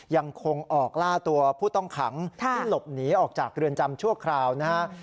ยังคงออกล่าตัวผู้ต้องขังที่หลบหนีออกจากเรือนจำชั่วคราวนะฮะ